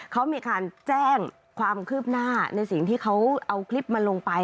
เขามีการแจ้งความคืบหน้าในสิ่งที่เขาเอาคลิปมาลงไป